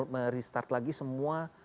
merestart lagi semua